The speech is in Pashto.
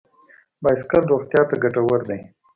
بایسکل روغتیا ته ګټور دی.